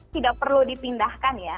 tidak perlu dipindahkan ya